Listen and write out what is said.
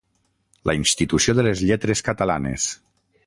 La Institució de les Lletres Catalanes.